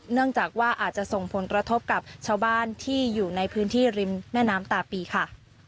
เนื่องจากว่าอาจจะส่งผลกระทบกับชาวบ้านที่อยู่ในพื้นที่ริมแม่น้ำตาปีค่ะ